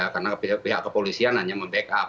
karena pihak kepolisian hanya membackup